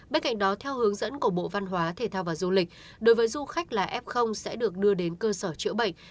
bên cạnh đó theo hướng dẫn của bộ văn hóa thể thao và du lịch đối với du khách là f sẽ được đưa đến cơ sở chữa bệnh